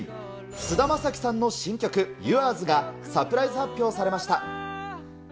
菅田将暉さんの新曲、ユアーズがサプライズ発表されました。